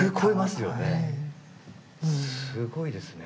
すごいですね。